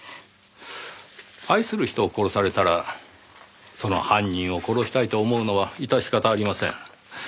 愛する人を殺されたらその犯人を殺したいと思うのは致し方ありません。